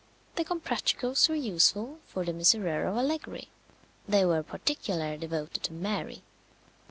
The Comprachicos were useful for the Miserere of Allegri. They were particularly devoted to Mary.